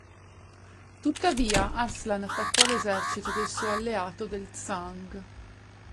Tuttavia, Arslan attaccò l'esercito del suo alleato del Tsang.